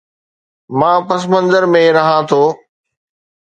مان پس منظر ۾ رهان ٿو